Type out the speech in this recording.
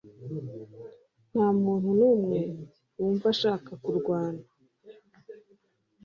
nta muntu numwe wumva ashaka kurwana